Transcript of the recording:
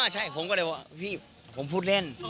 ใช่ผมก็เลยว่าพี่ผมพูดเล่น